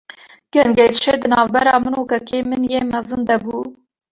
Gengeşe, di navbera min û kekê min yê mezin de bû